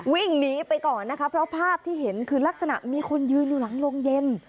วิ่งหนีไปก่อนนะคะเพราะภาพที่เห็นคือลักษณะมีคนยืนอยู่หลังโรงเย็น